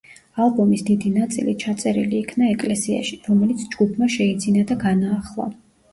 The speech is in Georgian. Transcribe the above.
ალბომის დიდი ნაწილი ჩაწერილი იქნა ეკლესიაში, რომელიც ჯგუფმა შეიძინა და განაახლა.